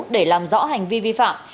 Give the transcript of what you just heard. để làm rõ hành vi vi phạm